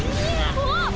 あっ！